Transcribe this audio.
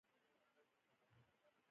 هیله له خدایه هېڅکله مه پرېږده.